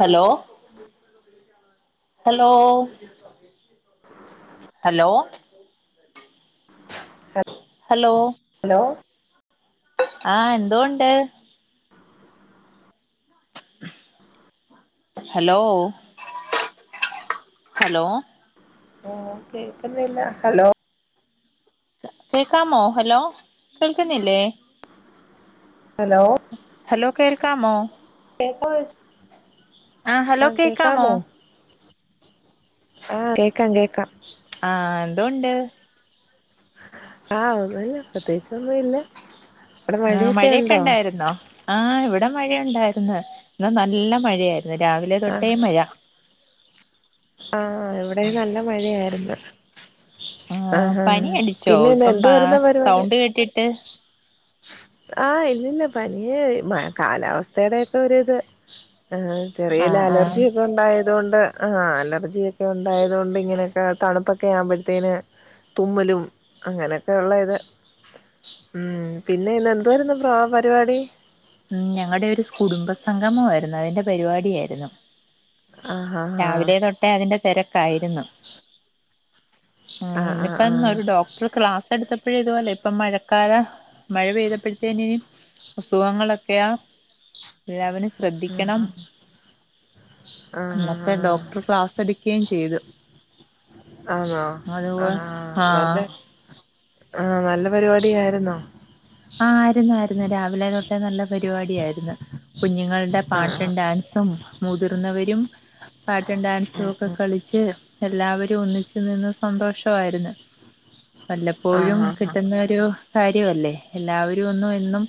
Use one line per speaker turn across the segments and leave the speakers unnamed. Hello hello hello hello
hello
ആഹ് എന്തോണ്ട് hello hello
ആഹ് കേൾക്കുന്നില്ല ഹലോ
കേക്കാമോ ഹലോ കേൾക്കുന്നില്ലേ
ഹലോ
ഹലോ കേൾക്കാമോ
കേപ്പോ
ആഹ് ഹലോ കേക്കാമോ
ആക്കെക്കമോ ആഹ് കേക്കാം കേക്കാം
ആഹ് എന്തൊണ്ട്
ആഹ് പ്രത്യേകിച്ചമ്മ ഇല്ലേ
ആഹ് മഴയൊക്കെ ഉണ്ടായിരുന്നോ ആഹ് ഇവിടെ മഴയുണ്ടായിന്ന് ഇാ നല്ല മഴയായിരുന്നു രാവിലെ തൊട്ടേ മഴ
ആഹ് ഇവിടെ നല്ല മഴയായിരുന്നു ആഹ് ആഹ് പിന്നെ എന്തു വരുന്നാ പരിപാടി
ഏഹ്
ആഹ് ഇല്ലല്ല പനിയ മ കാലാവസ്ഥയുടെൊക്കെ ഒരിത് ആ ചെറിയല്ല
ആഹ് ആഹ്
അലർജി ഒക്കെണ്ട് ഉണ്ടായത കൊൊണ്ട് ആ അലർജിയൊക്കെ ഉണ്ടായത്കൊണ്ട് ഇങ്ങനെയൊക്കെ തണുപ്പൊക്കെ ആവുമ്പോഴത്തേന് തുമ്മലും അങ്ങനെയൊക്കെയ ഉള്ള ഇത് പിന്നെ ഇന്ന് എന്തു വരുന്ന പ്ര പരിപാടി
ഉ ഞങ്ങടെ ഒരു കുടുംബ സംംഗമമായിരുന്നു അതിന്റെ പരിപാടിയായിരുന്നു
ആഹ്
രാവിലെ തൊട്ടേ അതിന്റെ തിരക്കായിരുന്നു ആഹ് ഇന്നിപ്പ ഇ ഒരു ഡോക് ഇപ്പോ ക്ലാസ് എടുത്തപ്പോഴ ഇതുപലെ ഇപ്പ മഴക്കാല മഴ പെയ്തപ്പോഴത്തേന് അസുഖങ്ങളൊക്കെയാ എല്ലാവരു ശ്രദ്ധിക്കണം
ആഹ് ആഹ് ആഹ്
എന്നൊക്കെ
ആഹ്
ഡോക്ടർ ക്ലാസ് അട കയും ചെയ്തു
ആണോ
അതുപോലെ
ആഹ് നല്ല
ആഹ്
ആഹ് നല്ല പരിപാടി ആയിരുന്നോ
ആഹ് ആയിരുന്നയിരുന്നു രാവിലെ തൊട്ടേ നല്ല പരിപാട ആായിരുന്നു കുഞ്ഞുങ്ങൾടെ
ആഹ്
പാട്ടും ഡാൻസും മുതിർന്നവരും പാട്ടും ഡാൻസും
ആഹ്
ഒക്കെ
ആഹ്
കളിച്ച് എല്ലാവരും ഒന്നിച്ച് നിന്ന് സന്തോഷമായിരുന്നു വല്ലപ്പോഴും
ആഹ് ആഹ്
കിട്ടുന്ന ഒരു കാര്യമല്ലേ എല്ലാവരും ഒന്നും എന്നും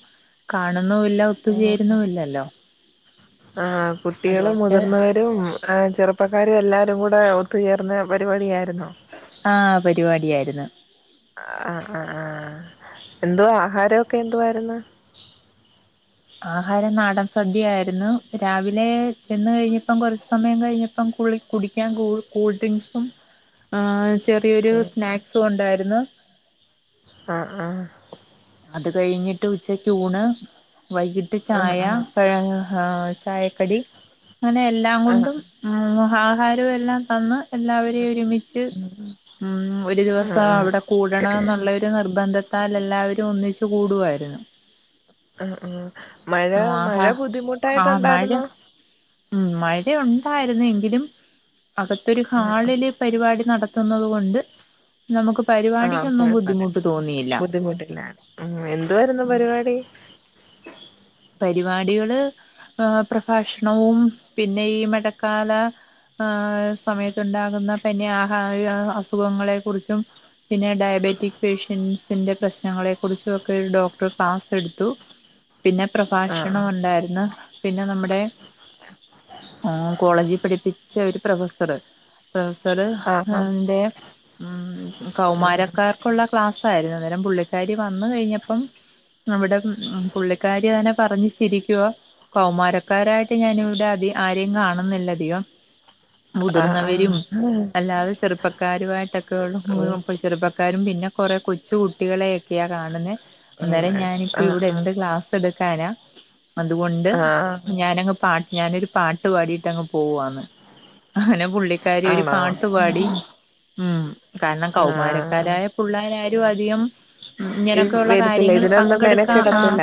കാണുന്നില്ല.
ആഹ് ആഹ് കുട്ടികളും
അതുകൊണ്ട്
മുതിർന്നവരും. ആഹ് ചെറുപ്പക്കാരും എല്ലാരും കൂടെ ഒത്തുചേർന്ന പരിപാടിയായിരുന്നോ?
ആഹ് പരിപാടിയായിരുന്നു.
ആഹ് ആഹ് ആഹ് എന്തോ ആഹാരെക്കെ എന്തോയിരുന്നു?
ആഹാരം നാടൻ സദ്യയായിരുന്നു രാവിലെ ചെന്ന് കഴിഞ്ഞപ്പം കുറച്ച് സമയം കഴിഞ്ഞപ്പം കുളി കുടിക്കാൻ കൂ കൂൾ ഡ്രിങ്ക്സും ആഹ്. ചെറിയൊരു സ്നാക്സും ഉണ്ടായിരുന്നു.
ആഹ് ആഹ്.
അത് കഴിഞ്ഞിട്ട് ഉച്ചക്യൂണ് വൈകിട്ട്. ട്ട്
ആഹ്
ചായ
ആഹ്
ഴ ചായക്കടി അങ്ങനെ എല്ലാം
ആഹ്
കൊണ്ടും. ആഹ് ആഹാരവും എല്ലാം തന്ന്. എല്ലാവരെയും ഒരുമിച്ച് ഉം ഒരു
ആഹ്
ദിവസം അവിടെ. കൂടണം എന്നുള്ളരു നിർബന്ധത്താൽ എല്ലാവരും ഒന്നിച്ച് കൂടുവായിരുന്നു.
ആഹ് ആഹ് മഴ മഴ
ആഹാ ആ മഴ
ബുദ്ധിമുട്ടായിട്ടുണ്ടായിരുന്നോ?
ഉം മഴയുണ്ടായിരുന്നെങ്കിലും അകത്തൊരു
ആ
ഹാളില്. പരിപാടി നടത്തുന്നത് കൊണ്ട് നമുക്ക് പരിപാടിക്കൊന്നും ബുദ്ധിമുട്ട് തോന്നിയില്ല.
ദ്ധിമുട്ടില്ല. ആഹ് എന്തോയിരുന്നു
ഉം
പരിപാടി?
പരിപാടികള്. ആഹ് പ്രഭാഷണവും പിന്നെ ഈ മഴക്കാല ആഹ്. സമയത്തുണ്ടാകുന്ന പിന്നെ ആഹ് അസുഖങ്ങളെ കുറിച്ചും. പിന്നെ ഡയബറ്റിക് പേഷ്യന്റ്സ്. ന്റ പ്രശ്നങ്ങളെ കുറിച്ചക്കെ ഡോക്ടർ ക്ലാസ് എടുത്തു പിന്നെ. പ്രഭാഷണം
ആഹ്
ഉണ്ടായിരുന്നു. പിന്നെ നമ്മുടെ ആഹ് കോളേജിൽ പഠിപ്പിച്ച ഒരു പ്രൊഫസർ.
ആഹ്
പ്രൊഫസർന്റെ ഉം
ആഹ്
കൗമാരക്കാർ. ക്കുള്ള ക്ലാസ് ആയിരുന്നു ന്നേരം പുള്ളിക്കാരി വന്ന് കഴിഞ്ഞപ്പം നമ്മുടെ പുള്ളികാരി. തന്നെ പറഞ്ഞു ശിരിക്കു കൗമാരക്കാരായിട്ട് ഞാനിവിടെ അ ആരെയും കാണുന്നില്ലധികം.
ആഹ്
മുതിർന്നവരും
ആഹ് ആഹ്
അല്ലാതെ ചെറുപ്പ ക്കാരുമായിട്ടൊക്കെയ
ഉം
ഉള്ള ചെറുപ്പക്കാരും പിന്നെ കൊറെ കൊച്ചു കുട്ടികളെയൊക്കെയാ കാണുന്നേ.
ആഹ്
അന്നേരം ഞാനിപ്പ ഇവിടെ
ആഹ്
എന്ത് ക്ലാസ് എടുക്കാനാ അതുകൊണ്ട്
ആഹ്
ഞാന പാട്ട് ഞാനൊരു പാട്ട് പാടിട്ടങ്ങ് പോവന്ന്. അങ്ങനെ പുള്ളിക്കാരി ഒരു
ആണോ
പാട്ടുപാടി ഉം കാരണം
ആഹ്
കൗമാരക്കാരായ. പുള്ളാരാരും അധികം. ഇങ്ങനൊക്കെയുള്ള
വരത്തില്ല
കാര്യങ്ങള്
ഇതിനൊന്നും
പങ്കെടുക്കാ ആ
മെനക്കടത്തില്ല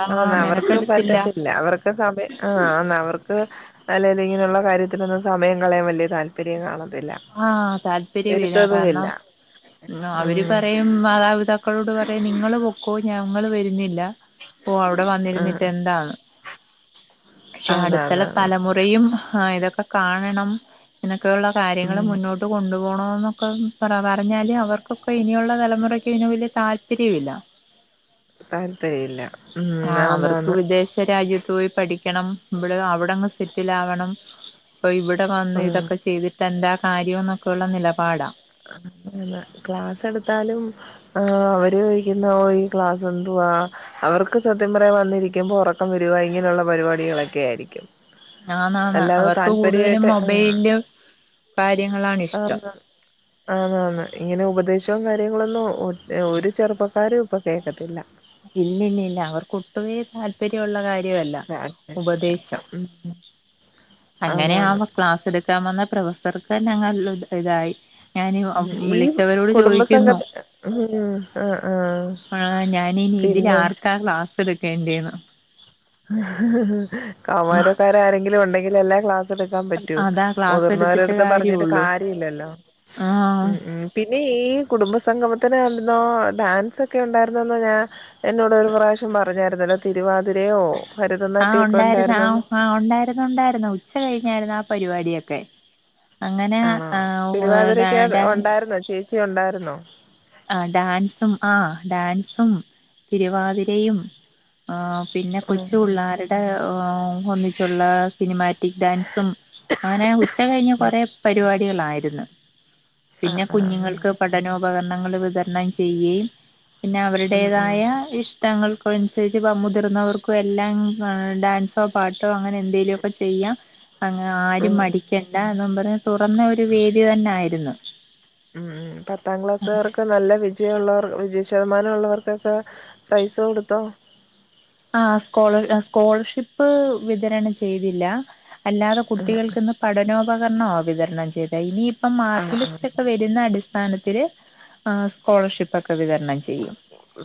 ആ
ആഹ് അവർക്ക്
മെനക്കെടുത്തില്ല
പറ്റത്തില്ല. അവർക്ക് സമയം ആഹ് അവർക്ക്. അല്ലേങ്കിൽ ഇങ്ങനെയുള്ള കാര്യത്തിനെന്നും സമയം കളയാൻ വലിയ താല്‍പര്യം കാണ
ആഹ് താല്പര്യമില്ല കാരണം അവര്
ഉം
പറയ മാതാപിതാക്കളോട് പറയ് നിങ്ങള് പൊക്കോ ഞങ്ങൾ വരുന്നില്ല. പോ അവ്ടെ വന്നിരുന്നിട്ട്
ആഹ്
എന്താണ് പക്ഷേ
ആന്ന്
അടുത്തുള്ള
ആന്ന് ആഹ്
തലമുറയും. ആഹ് ഇതൊക്കെ കാണണം ഇതൊക്കെയുള്ള കാര്യങ്ങൾ
ഉം
മുന്നോട്ട്. ഇട്ട് കൊണ്ടു പോണം എന്നൊക്കെ പറഞ്ഞാല് അവർക്കൊക്കെ ഇനിയുള്ള തലമുറയ്ക്ക് ഇ വലിയ താല്പര്യ ഇില്ല.
താല്പര്യല്ല.
ആഹ് അവർക്ക് വിദേശ രാജ്യത്ത് പോയി പഠിക്കണം ഇവിടെ അവിടെങ്ങ് സെറ്റിൽ ആവണം. അപ്പോ ഇവിടെ വന്ന്
ആഹ്
ഇതൊക്കെ ചെയ്തിട്ട് എന്താ കാര്യംന്നൊക്കെയുള്ള നിലപാടാ.
[unintelligible] ക്ലാസ് എടുത്താലും. ആഹ് അവര് ചോയിക്കുന്ന ഈ ക്ലാസ് എന്തുവാ? അവർക്ക് സത്യം പറ വന്നിരിക്കുമ്പോ ഉറക്കം വരുവാ ഇങ്ങനെയുള്ള പരിപാടികളൊക്കെ ആയിരിക്കും.
ആന്നാന്ന്
അല്ലാതെ
അവർക്ക് കൂടുതലും
താല്പര്യായിട്ട്
മൊബൈലില് കാര്യങ്ങളാണ്
ആ
ഇഷ്ടം
ആ ആഹ് ഇങ്ങനെ ഉപദേശവും കാര്യങ്ങളൊന്നും ഒരു ചെറുപ്പക്കാരും ഇപ്പൊ കേക്കത്തില്ല
ഇല്ലല്ലല്ല അവർക്ക് ഒട്ടുമേ താല്പര്യള്ള കാ അല്ല
താല്പര്യമില്ല
ഉപദേശം
ഉം
അങ്ങനെ ആ
ആന്നാന്ന്
ക്ലാസ് എടുക്കാൻ വന്ന പ്രൊഫസർക്കന്നെ ഞങ്ങള് ഇതായി ഞാന്
ഉം ഈ
വിളിച്ചവരോട്
കുടുംബസംഘ
ചോദിക്കുന്നു
ഉം ആ ആഹ്
ആ ഞാന് ഇനി ഇതില്
പിന്നെ
ആർക്കാ ക്ലാസ് എടുക്കേണ്ടെന്ന്
കാമാരക്കാര ആരെങ്കിലും ഉണ്ടെങ്കിലല്ലേ ക്ലാ സ ടുക്കാൻ പറ്റൂ
അതാ ക്ലാസ് എടുത്തിട്ട്
മുതിർന്നവരട്ത്ത് പറഞ്ഞിട്ട്
കാര്യള്ളൂ
കാര്യ ഇല്ലല്ലോ
ആ
ഉം ഉം പിന്നെ ഈ കുടുംബ സംഗമത്തിന് ന്നൊ ഡാൻസ് ഒക്കെ ഉണ്ടായിരുന്നന്ന് ഞ്ഞാ എന്നോട് ഒരു പ്രാവശ്യം പറഞ്ഞായിരുന്നല്ലോ തിരുവാതിരയോ
ആ
ഭരതനാട്ട്യൊക്കെ
ഉണ്ടായിരുന്നു ആ
ഉണ്ടായിരുന്നന്ന്
ആ ഉണ്ടായ്ര് ഉണ്ടായ്ര്ന്നു ഉച്ച കഴിഞ്ഞായ്ര്ന്നു ആ പരിപാടിയോക്കെ അങ്ങനെ
ആണോ
ആ
തിരുവാതിരക്ക്
[unintelligible]
ഉണ്ടായിരുന്നോ ചേച്ചി ഉണ്ടായിര്ന്നോ
ആ ഡാൻസും ആഹ് ഡാൻസും തിരുവാതിരയും ആ പിന്നെ
ആഹ്
കൊച്ചു പിള്ളേര്ടെ ഊം ഒന്നിച്ചുള്ള സിനിമാറ്റിക് ഡാൻസും അങ്ങനെ ഉച്ച കഴിഞ്ഞ്
ഉം
കൊറേ പരിപാടികളായിരുന്നു
ആഹ്
പിന്നെ
ആഹ് ആഹ്
കുഞ്ഞുങ്ങൾക്ക് പഠനോപക ണങ്ങള് വിതര്ണം ചെയ്യ യും പിന്നെ
ഉം ഉം
അവര്ടേതായ ഇഷ് ങ്ങൾക്ക്‌വൻസരിച്ച് പ മുതിർന്നവർക്കുവെല്ലാം ഡാൻസ് സോ പാട്ടോ അങ്ങനെന്തെലൊക്കെ ചെയ്യാ അങ്ങ ആരും
ഉം ഉം
മടിക്കണ്ട ന്നും പറ് തുറന്നൊരു വേദി തന്നായിരുന്നു.
ഉം പത്താം ക്ലാസ്സുകാർക്ക് നല്ല വിജയള്ളവർ വിജ ശതമാനൊള്ളവർക്കൊക്കെ പൈസ കൊട്ത്തോ
ആ സ്കോള സ്കോളർഷിപ്പ് വിതരണം ചെയ്തില്ല. അല്ലാതെ
ആഹ്
കുട്ടികൾക്ക്‌ന്ന് പഠനോപകര്ണോ വിതരണം ചെയ്ത ഇനിയിപ്പം
ആഹ് ആഹ്
മാർക്ക്ലിസ്റ്റൊക്കെ വര് രുന്ന അടിസ്ഥാനത്തില് സ്കോളർഷി പ്പൊക്കെ വിതര്ണം ചെയ്യും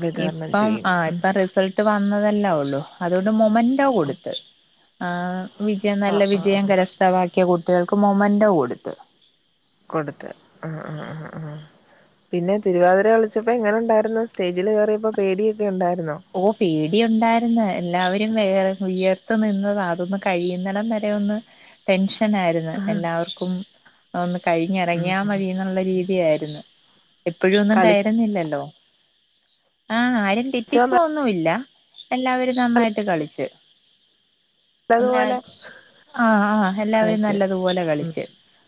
വിതരണം
ഇപ്പം
ചെയ്യും
ആ
ഉം
ഇപ്പ റിസൾട്ട് വന്നതല്ലൊള്ളൂ അതു കൊണ്ട് മൊമന്റോ കൊടുത്ത് ആ വിജയം നല്ല
ആഹ് ആഹ്
വിജയം
ആഹ്
കരസ് ഥ വാക്കിയ കുട്ടികൾക്ക് മൊമെന്റോ കൊട്ത്ത്
കൊട്ത്ത് ആ ആ ആ ആ പിന്നെ തിരുവാതിര കളിച്ചപ്പോ എങ്ങനെ ഇണ്ടായിര്ന്നു സ്റ്റേജില് കേറിയപ്പോ പേടിയൊക്കെണ്ടായിരുന്നോ
ഓ പേടി ഉണ്ടായിര്ന്ന് എല്ലാവരും വേറെ ഉയര്ത്ത് നിന്ന് അതൊന്ന് കയ്യുന്നടം വരെ രൊന്ന് ടെൻഷനായിരുന്നു
ആഹ്
എല്ലാവർക്കും അഒന്ന്
ഉം
കഴിഞ്ഞെറങ്ങിയാ
ഉം
മതിന്ന്ള്ള രീതിയാഴിരുന്നു. എപ്പോഴന്നും
കളിച്ചോ
കയറുന്നില്ലല്ലോ ആ ആരും തെറ്റിച്ചോ ന്നുല്ല എല്ലാവരും നന്നായിട്ട് കളിച്ച് ഞാ
നല്ലതുപോലെ
ആഹ് ആഹ് എല്ലാവരും
കളിച്ച്
നല്ലതുപോലെ
ഉം
കളിച്ച്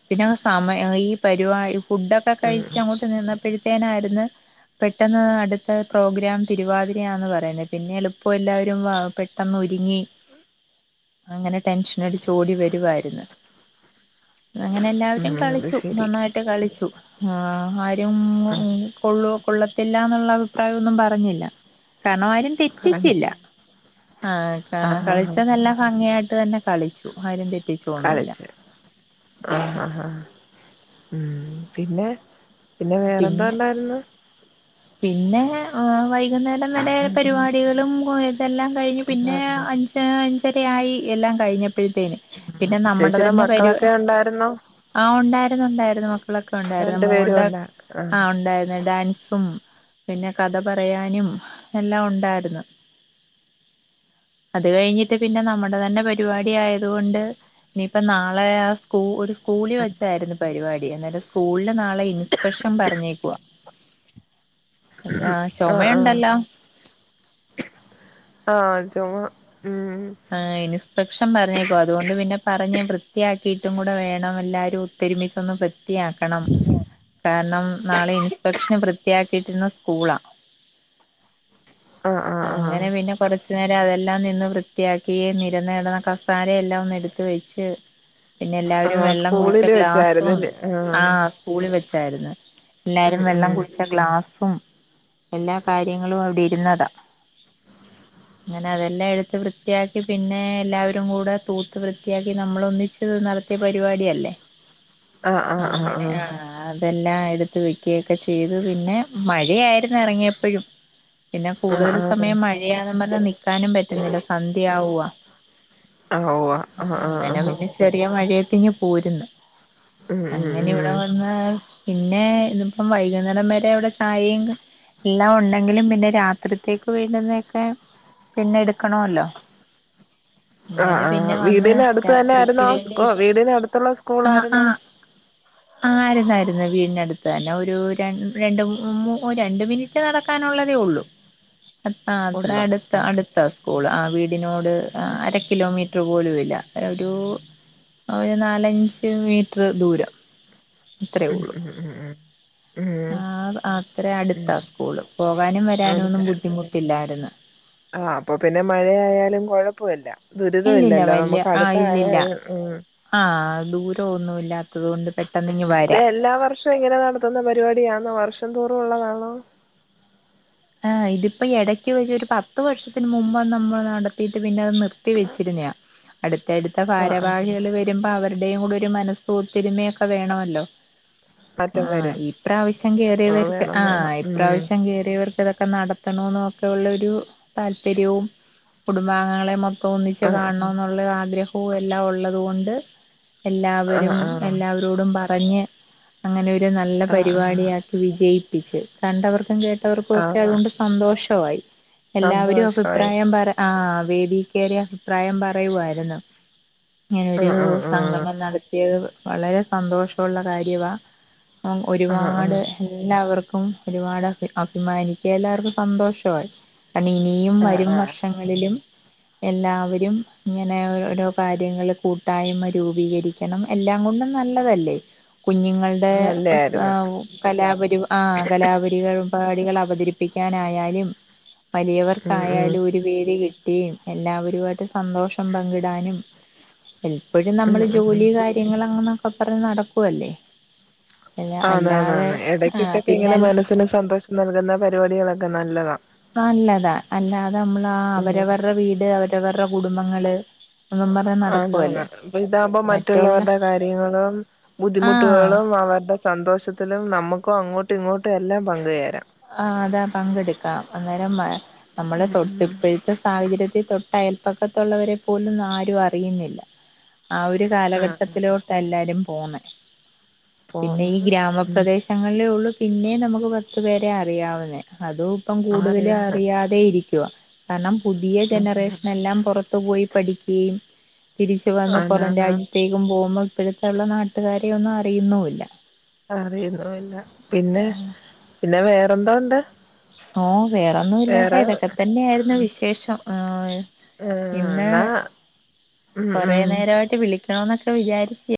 പിന്നെ സമയ ഈ പരിപാടി ഫുഡൊക്കെ
ഉം
കഴിച്ച് അങ്ങോട്ട് നിന്ന പെട്ടേനാര്ന്ന് പെട്ടെന്ന് അടുത്ത പ്രോഗ്രാം തിരുവാതി രാന്ന് പറയുന്നെ പിന്നെ എളുപ്പെല്ലാവരും പെട്ടെന്നൊരുങ്ങി അങ്ങനെ ടെൻഷനടിച്ച് ഓടി വരുവായിരുന്ന് അങ്ങനെ
ഉം
എല്ലാവരും
ഉം അത്
കളിച്ചു
ശരി
നന്നായിട്ട് കളിച്ചു ആ ആരും
ഉം
ഊം കൊള്ളൂ കൊള്ളത്തില്ലാന്ന്ള്ള അഭിപ്രായന്നും പറഞ്ഞില്ല കാരണം ആരും തെറ്റിച്ചില്ല.
പറഞ്ഞില്ല
ആഹ് ക
ആഹ് ആഹ് ആഹ്
കൾച്ചെതെല്ലാം ഭംഗ്യായിട്ട് തന്നെ കളിച്ചു ആരും തെറ്റിച്ചൊന്നൂല്ല.
ആ ഹാ ഹാ ഉം പിന്നെ പിന്നെ വേറെന്തോണ്ടായിരുന്നു
പിന്നെ ആ വൈകുന്നേരം വരെ
ഉം
പരിപാടികളും ഓ ഇതെല്ലാം കഴിഞ്ഞ് പിന്നെ
ഉണ്ടായിരുന്നു
അ ഞ്ച് അഞ്ചരയായി എല്ലാം കഴിഞ്ഞപ്പഴ്‌ത്തേന് പിന്നെ നമ്മടെ
ചേച്ചിയുടെ
തന്നെ പരു
മക്കളൊക്കെ ഉണ്ടായിരുന്നോ
ആ ഉണ്ടായിരുന്നുണ്ടായിരുന്നു മക്കളൊക്കെ ഉണ്ടായിരുന്നു
രണ്ടു പേരും
മോൾടെ
ഉണ്ടാ
ആ
ആഹ്
ഉണ്ടായിരുന്നു ഡാൻസും പിന്നെ കഥ പറയാനും എല്ലാം ഉണ്ടായ്രുന്നു അത് കഴിഞ്ഞിട്ട് പിന്നെ നമ്മടെ തന്നെ പരിവാടി ആയതുകൊണ്ട് ഇനിയിപ്പ നാളേ കൂ ഒരു സ്കൂളി വെച്ചായിരുന്നു പരിവാടി എന്നിട്ട് സ്കൂളിന് നാളെ ഇൻസ്പെക്ഷൻ പറഞ്ഞേക്കാ ആ
ആഹ് ആഹ്
ചൊമയുണ്ടല്ലാ
ആഹ് ചൊമ ഉം
ആഹ് ഇൻസ്പെക്ഷൻ പറഞ്ഞേക്കുവാ അതുകൊണ്ട് പിന്നെ പറഞ്ഞ് വൃത്തിയാക്കീട്ടും കൂടെ വേണം എല്ലാരും പെരുമിച്ചൊന്നു വൃത്തിയാക്കണം കാരണം നാളെ ഇൻസ്പെക്ഷന് വൃത്തിയാക്കിട്ടിരുന്ന സ്കൂളാ
ആഹ് ആഹ് ആഹ്
അങ്ങനെ പിന്നെ കൊറച്ച് നേരം അതെല്ലാം നിന്ന് വൃ ത്തിയാക്കി നിരന്ന് കടന്ന കസാരയെല്ലാം ഒന്ന് എടുത്ത് വെച്ച് പിന്നെ എല്ലാവരും
ആഹ്
വെള്ളം കുടിച്ച
സ്കൂളില്
ഗ്ലാസും
വെച്ചായിരുന്നല്ലേ
ആ
ആഹ്
സ്കൂളിൽ വെച്ചായര്ന്ന്
ഉം
എല്ലാരും
ഉം
വെള്ളം കുടിച് ട്ട ഗ്ലാസും എല്ലാ കാര്യങ്ങളും അവിടെ ഇര്ന്നതാ ങ്ങനെ അതെല്ലാം എടുത്ത് വൃ- ത്തിയാക്കി പിന്നെ എല്ലാവരും കൂടെ തൂത്ത് വൃത്തിയാക്കി നമ്മള് ഒന്നിച്ച് നടത്തിയ പരിപാടിയല്ലേ
ആഹ് ആഹ്
അങ്ങനെ
ആഹ്
ആ അതെല്ല എടുത്ത് വെക്കുയൊക്കെ ചെയ്ത് പിന്നെ മഴ ആയിരുന്നു ഇറങ്ങിയപ്പോഴും പിന്നെ
ആഹ് ആഹ്
കൂടുതല്
ആഹ്
സമയം മഴയാന്നു പറഞ്ഞ് നിക്കാനും പറ്റുന്നില്ല സന്ധ്യയാവ്വാ
ആഹ് ഉവ്വ
ആഹ് അങ്ങനെ
ആഹ്
പിന്നെ ചെ ചെറിയ മഴയത്ത് ഇങ്ങ് പോരുന്ന്
ഉം ഉം
അങ്ങനിവി-
ഉം
ഇടെ വന്ന് പിന്നെ ഇതിപ്പം വൈകുന്നേരം വരെവടെ ചായേം എല്ലാ ഉണ്ടെങ്കിലും പിന്നെ രാത്രിത്തേക്ക് വീണ്ടുന്നൊക്കെ പിന്നെ എടുക്കണോല്ലോ
ആഹ്
ങ്ങനെ
ആഹ്
പിന്നെ വന്ന്
വീടിന് അടുത്ത് തന്നെ
രാത്രിക്ക്
ആയിരുന്നോ
വേണ്ടി
സ്കൂ വീടിന് അടുത്തുള്ള
ആ ആ
സ്കൂളായിരുന്നോ
ആര്ന്ന് ആര്ന്ന് വീടിനടുത്ത് തന്നെ ഒരു ര രണ്ട് മു മു രണ്ട് മിനി- ക്റ്റ് നടക്കാനുള്ളതേ ഉള്ളൂ അ അത്ര
ഉള്ളോ
അടുത്ത
ആഹ്
അടുത്താ സ്കൂൾ ആ വീടിനോട് അ അര കിലോമീ- റ്റ് പോലുല്ല ഒരു ഒര് നാലഞ്ച് മീറ്റ്ർ ദൂരം ഇത്രേ
ഉം
ഉള്ളു
ഉം ഉം ഉം ഉം
ആ അ അത്ര അടുത്താ
ഉം
സ്കൂള് പോകാനും വരാനും ഒന്നും ബുദ്ധിമുട്ടില്ലാര്ന്ന്
ആ അപ്പൊ പിന്നെ മഴയയാലും കുഴപ്പല്ല ദുരിതം
ഇല്ലില്ല
ഇല്ലല്ലോ
വല്യ
നമുക്ക്
ആ
അടുത്ത
ഇല്ലില്ല
ആയലു ഉം
ആ ദൂരം ഒന്നുല്ലാത്തതോണ്ട് പെ
ഇതേ എല്ലാ വർഷോ ഇങ്ങനെ നടത്തുന്ന പരിവാടിയാണോ വർഷം തോറുള്ളതാണോ
ആ ഇതിപ്പോ ഇടക്കവെച്ച് ഒരുപത്ത് വർഷത്തിന് മുമ്പ് നമ്മൾ നടത്തിട്ട് പിന്നെ അത് നിർ- ത്തിവെച്ചിരുന്നയാ അടുത്തടുത്ത
ആഹ് ആഹ്
ഫാരവാഹികള് വെ- രുമ്പ അവരുടെയും ഒരു മനസു ഒത്തരുമയൊക്കെ വേണോല്ലോ ആ
മാറ്റം വരും
ഇപ്രാവശ്യം
ആഹ്
കേയറിയവർക്ക്
വേണം
ആ
വേണം ഉം
ഇപ്രാവശ്യം കേയറിയവർ ഇതൊക്കെ നടത്തണോന്നൊക്കെ ഉള്ളൊരു താല്പര്യവും കുടുംബാംഗങ്ങളെ മൊ- തോന്നിച്
ആഹ്
കാണണോന്നുള്ള ആഗ്രഹവു എല്ലാ ഉള്ളതു കൊണ്ട്
ആഹ്
എല്ലാവരും
ആഹ്
എല്ലാവരോടും പറഞ്ഞ് അങ്ങനെ ഒരു നല്ല
ആഹ് ആഹ്
പരിവാടിയ- വിജയിപ്പിച്ച് കണ്ടവർക്കും കേട്ടവർക്കു-
ആഹ്
സന്തോഷ്വായി എല്ലാവരും
സന്തോഷമായി
അഫ്പ്രായം പറ ആ വേദി കേറി അഫിപ്രായം പറയു ആര്ന്ന് ഇങ്ങനൊരു
ആഹ് ആഹ്
സംഗമം
ആഹ്
നടത്തിയത് വളരെ സന്തോഷള്ള കാര്യവാ [unintelligible]
ആഹ് ആഹ്
ഒരുപാട് എല്ലാവർക്കും ഒരുപാട് അ അഫിമാനിക്കാ എല്ലാവർക്കും സന്തോഷ്വായി [unintelligible]
ആഹ് ആഹ്
ഇനിയുംവരുംവർഷങ്ങളിലും എല്ലാവരും ഇങ്ങനെഒ ഓരോ കാര്യങ്ങള് കൂട്ടായ്മ രൂപീകരി- കണം എല്ലാ കൊണ്ടുംനല്ലതല്ലേ കുഞ്ങ്ങളുടെ
നല്ലായിരുന്നു
സൗ കലാപരിആ കലാപരികപാടികൾ അവതരി പ്പിക്കാനായാലും
ഉം
വലിയവർക്കായാലും ഒര്
ഉം
വേദി ട്ടി എല്ലാവരുയിട്ട് സന്തോഷം പങ്കിടാനും എപ്പഴും നമ്മൾ
ഉം ഉം
ജോലികാര്യ ങ്ങള്ന്ന്ങ്ങ്ക്കെ പറഞ് നടക്കുവല്ലേ അല്ല
ആന്ന്
അല്ലാതെ
ആന്ന്ന്ന് ഇടക്ക
ആഹ്
ഇട്ടൊക്കെ
പിന്നെ
ഇങ്ങനെ മനസ്സിന് സന്തോഷം നൽകുന്ന പരിവാടികളൊക്കെ നല്ലതാ
നല്ലത അല്ലാതെമ്മള്
ഉം
അഅവരവർടെ വീട് അവരവർടെ കുടുംബങ്ങള് ന്നുപറഞ
ആന്നാന്ന് ഇപ്പതാകുമ്പോ മറ്റുള്ളവരുടെ കാര്യങ്ങളും
ആഹ്
ബുദ്ധിമുട്ടുകളും അവര്ടെ ന്തോഷത്തിലും നമുക്കു അങ്ങോട്ട് ഇങ്ങോട്ടും എല്ലാ പങ്കു ചെരാം
ആ അത പങ്കട്ക്കാം അന്നേരം മ്മ മ്മളെ
ഉം ഉം
തൊട്ടിപ്പഴത്തെസ് സാഹചര്യത്തിൽ തൊട്ട അയൽപ്പക്കത്തുള്ളവരെപോലും ന്നരും അറിയുന്നില്ല ആഒരു
ആഹ്
കാലഘട്ടത്തിലോട്ട എല്ലാരും പോന്ന് പിന്നെ ഈ
പോന്നത് ഉം
ഗ്രാമപ്രദേശ് ഞങ്ങളിലേ ഉള്ളു പിന്നെ നമുക്ക് പത്ത് പേരെ അറിയാവുന്നേ അതും ഇപ്പം കൂടുതൽ
ആറിയാണ്
അറിയാതെ ഇരിക്കുക കാരണം പുതിയ ജനറേഷന എല്ലാം പുറ ത്ത പോയി പഠിക്കുകയും തിരിച്ചു വന്ന പുറം
ആനാന്ന്
രാജ്യത്തേക്കും പോവുമ്പം ഇപ്പോഴത്തുള്ള നാട്ടുകാരെയ ഒന്നും അറിയുന്നുല്ല
അറിയുന്നുല്ല പിന്നെ പിന്നെ വേറെന്തോ ഉണ്ട്
ഓ വേറൊന്നും ഇല്ലാടാ ഇതൊക്കെ തന്നെയ ആയിരുന്നു വിശേഷം ആ
ആ എന്നാ ഉം
കൊറേ
ഉം
നേരമായിട്ട് വിളിക്കണന്നൊക്കെ വിചാരിച്ച